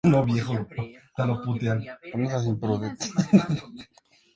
Se alimenta de larvas de peces, kril y otros pequeños animales del zooplancton.